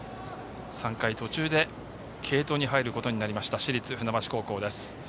３回途中で継投に入ることになりました市立船橋高校です。